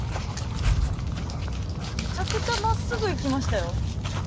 めちゃくちゃまっすぐ行きましたよ。